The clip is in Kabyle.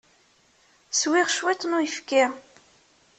Swiɣ cwiṭ n uyefki.